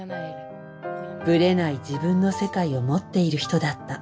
ぶれない自分の世界を持っている人だった。